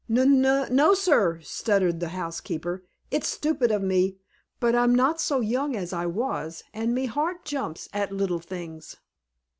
"Nun no, sir," stuttered the housekeeper. "It's stupid of me. But I'm not so young as I was, an' me heart jumps at little things."